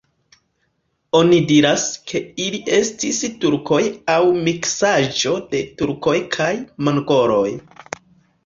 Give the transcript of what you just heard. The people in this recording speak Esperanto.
Oni diras, ke ili estis turkoj aŭ miksaĵo de turkoj kaj mongoloj.